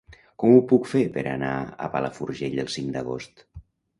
Com ho puc fer per anar a Palafrugell el cinc d'agost?